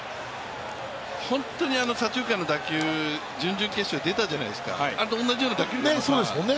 本当に左中間の打球、準々決勝出たじゃないですか、あれと同じような打球ですね。